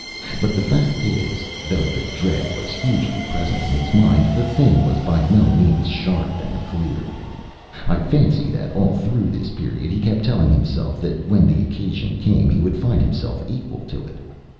But the fact is, though the dread was hugely present in his mind, the thing was by no means sharp and clear. I fancy that all through this period he kept telling himself that when the occasion came he would find himself equal to it.